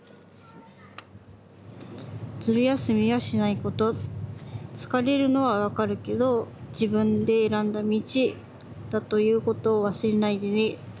「ずる休みはしない事つかれるのはわかるけど“自分で選んだ道”だという事を忘れないでね。